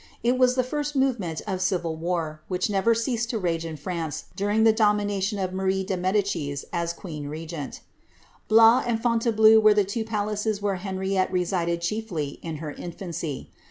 It was the first movement of civil war, which never ceased to rage in France during the domination of Marie de Medicis as queen regent Blois and Fontainbleau were the two palaces where Henriette resided chiefly in her infancy.